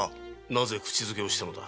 なぜ口づけをしたのだ？